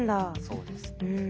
そうですね。